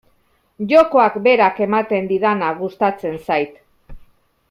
Jokoak berak ematen didana gustatzen zait.